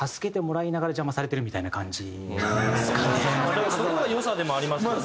だからそこが良さでもありますよね。